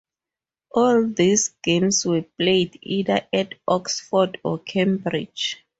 All these games were played either at Oxford or Cambridge.